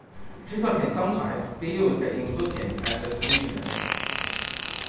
Treacle can sometimes be used in cooking as a sweetener